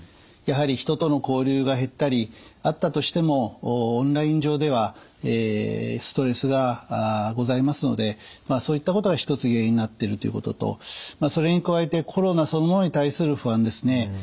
やはり人との交流が減ったりあったとしてもオンライン上ではストレスがございますのでそういったことが一つ原因になってるということとそれに加えてコロナそのものに対する不安ですね。